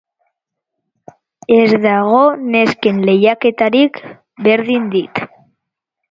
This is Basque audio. Ez dago nesken lehiaketarik, berdin dit.